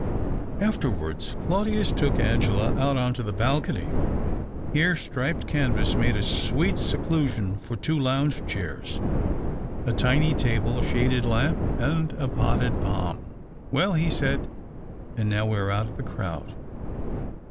Afterwards Claudius took Angela out on to the balcony. Here striped canvas made a sweet seclusion for two lounge chairs, a THE OCTAVE OF CLAUDIUS. iU;] :iiiy tabic, a .shaded lamp, and a potted palm. " Well," he said, " and now we are out of the crowd."